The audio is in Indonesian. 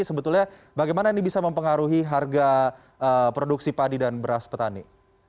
sebetulnya bagaimana ini bisa mempengaruhi harga produksi padi dan beras petani